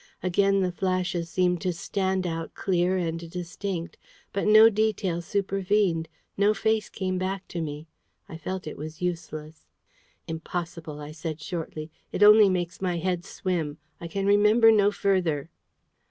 Again the flashes seemed to stand out clear and distinct. But no detail supervened no face came back to me. I felt it was useless. "Impossible!" I said shortly. "It only makes my head swim. I can remember no further."